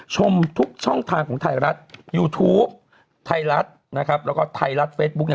ชมทุกช่องทางของไทยรัฐยูทูปไทยรัฐนะครับแล้วก็ไทยรัฐเฟซบุ๊ก